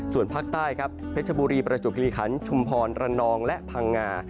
ส่วนภาคใต้ครับเพชรบุรีประจวบคิริคันชุมพรระนองและพังงา